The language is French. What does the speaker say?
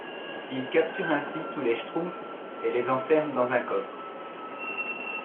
Il capture ainsi tous les Schtroumpfs et les enferme dans un coffre.